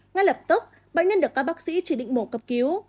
ngay lập tức bệnh nhân được các bác sĩ chỉ định mổ cấp cứu